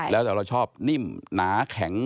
แล้วแต่เราชอบนิ่มหนาแข็ง